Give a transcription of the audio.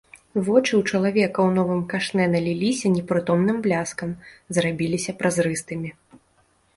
Вочы ў чалавека ў новым кашнэ наліліся непрытомным бляскам, зрабіліся празрыстымі.